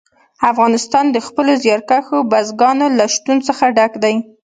افغانستان د خپلو زیارکښو بزګانو له شتون څخه ډک دی.